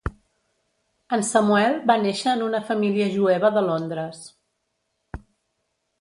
En Samuel va néixer en una família jueva de Londres.